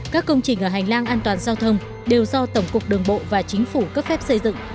các công trình ở hành lang an toàn giao thông đều do tổng cục đường bộ và chính phủ cấp phép xây dựng